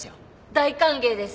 大歓迎です。